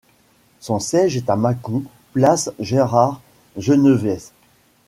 Son siège est à Mâcon place Gérard Genevès.